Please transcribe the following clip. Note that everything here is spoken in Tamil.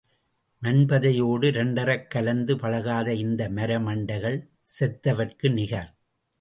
மன்பதையோடு இரண்டறக் கலந்து பழகாத இந்த மர மண்டைகள் செத்தவர்க்கு நிகர்.